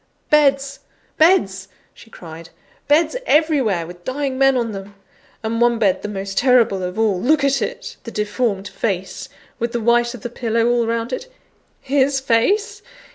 "Beds! beds!" she cried, "beds everywhere, with dying men on them! And one bed the most terrible of all look at it! The deformed face, with the white of the pillow all round it! His face?